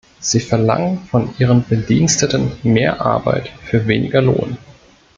Sie verlangen von ihren Bediensteten mehr Arbeit für weniger Lohn.